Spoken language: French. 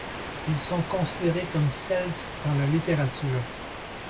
Ils sont considérés comme Celtes dans la littérature.